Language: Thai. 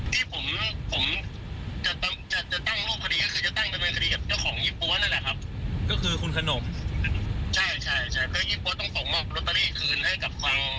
ที่ผมจะตั้งรูปพอดีก็คือจะตั้งรูปพอดีกับเจ้าของยี่ปั๊วนั่นแหละครับ